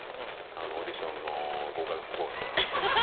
オーディションの合格不合格はまたね。